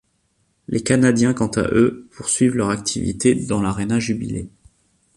Les Canadiens quant à eux poursuivent leurs activités dans l'Aréna Jubilée.